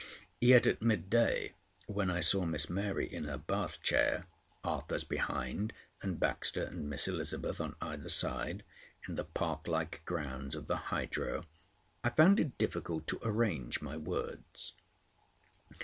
Yet at mid day, when I saw Miss Mary in her bathchair, Arthurs behind and Baxter and Miss Elizabeth on either side, in the park like grounds of the Hydro, I found it difficult to arrange my words.